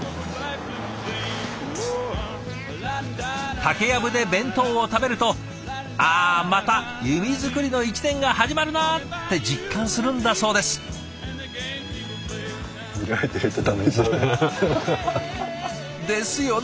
竹やぶで弁当を食べると「あまた弓作りの一年が始まるな」って実感するんだそうです。ですよね！